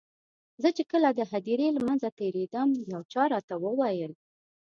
زه چې کله د هدیرې له منځه تېرېدم یو چا راته وویل.